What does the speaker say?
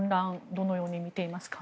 どのように見ていますか。